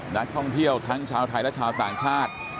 นักท่องเที่ยวทั้งชาวไทยและชาวต่างชาติ